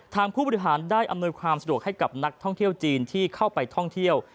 ผู้บริหารได้อำนวยความสะดวกให้กับนักท่องเที่ยวจีนที่เข้าไปท่องเที่ยว